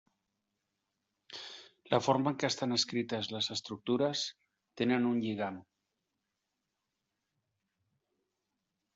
La forma en què estan escrites les estructures tenen un lligam.